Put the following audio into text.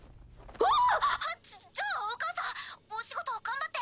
あっじゃあお母さんお仕事頑張って。